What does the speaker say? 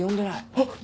あっ！